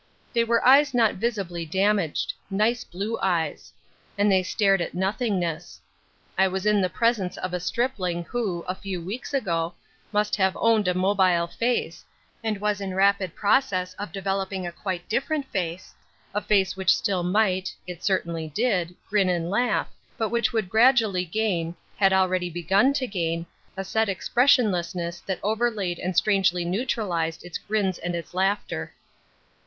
They were eyes not visibly damaged: nice blue eyes. And they stared at nothingness. I was in the presence of a stripling who, a few weeks ago, must have owned a mobile face, and was in rapid process of developing a quite different face, a face which still might it certainly did grin and laugh, but which would gradually gain, had already begun to gain, a set expressionlessness that overlaid and strangely neutralised its grins and its laughter.